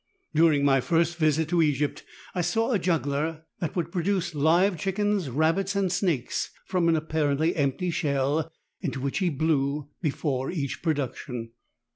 During my first visit to Egypt I saw a juggler that would produce live chickens, rabbits and vsnakes from an apparently empty shell, into which he blew before each production.